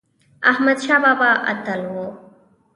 احمد شاه بابا اتل و